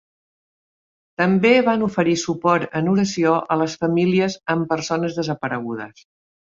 També van oferir suport en oració a les famílies amb persones desaparegudes.